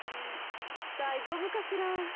だいじょうぶかしら？